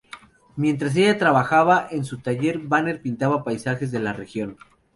Mientras ella trabajaba en su taller Banner pintaba paisajes de la región.